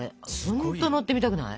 ほんと乗ってみたくない？